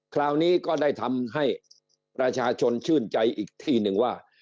คราวนี้ก็ได้ทำให้ประชาชนชื่นใจอีกที่หนึ่งว่า